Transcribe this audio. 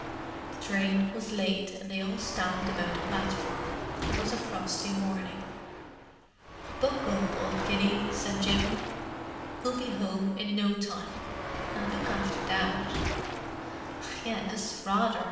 The train was late, and they all stamped about the platform—it was a frosty morning. "Buck up, old kiddie," said Jim. "We'll be home in no time. And look after Dad." "Yes—rather!"